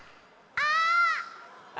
あっ！